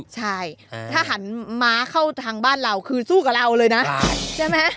ใช่ถ้าหันม้าเข้าทางบ้านเราคือสู้กับเราเลยนะใช่ไหม